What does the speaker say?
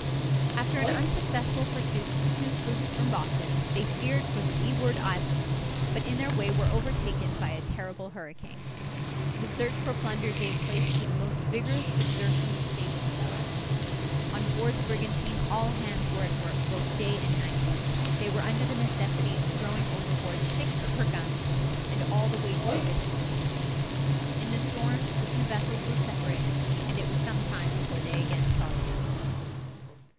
After an unsuccessful pursuit of two sloops from Boston, they steered for the Leeward Islands, but in their way were overtaken by a terrible hurricane. The search for plunder gave place to the most vigorous exertion to save themselves. On board the brigantine, all hands were at work both day and night; they were under the necessity of throwing overboard six of her guns, and all the weighty provisions. In the storm, the two vessels were separated, and it was some time before they again saw each other.